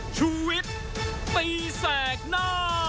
ชูวิทย์ตีแสกหน้า